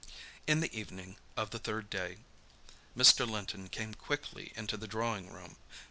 In the evening of the third day Mr. Linton came quickly into the drawing room.